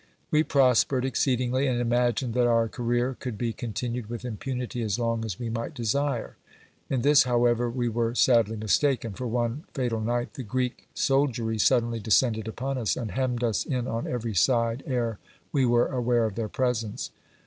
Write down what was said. We prospered exceedingly and imagined that our career could be continued with impunity as long as we might desire; in this, however, we were sadly mistaken, for one fatal night the Greek soldiery suddenly descended upon us and hemmed us in on every side ere we were aware of their presence.